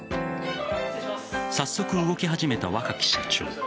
早速、動き始めた若き社長。